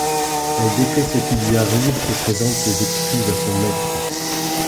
Elle décrit ce qui lui arrive et présente ses excuses à son maître.